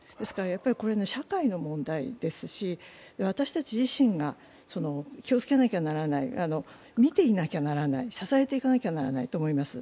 これ、社会の問題ですし私たち自身が気をつけなければならない見ていなきゃならない、支えていかなきゃならないと思います。